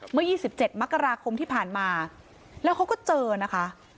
เมื่อ๒๗มกราคมที่ผ่านมาแล้วเขาก็เจอนะคะ